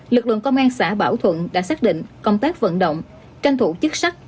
lực lượng công an xã bảo thuận đã xác định công tác vận động tranh thủ chức sắc